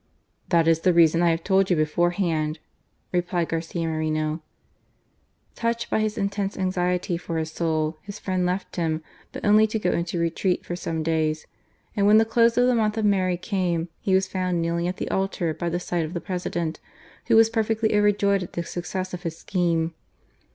"That is the reason I have told you beforehand," replied Garcia Moreno. Touched by his intense anxiety for his soul, his friend left him, but only to go into retreat for some days ; and when the close of the Month of Mary came, he was found kneeling at the altar by the side of the President, who was perfectly overjoyed at the success of his scheme.